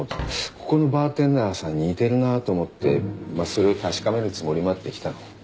ここのバーテンダーさんに似てるなと思ってそれを確かめるつもりもあって来たの。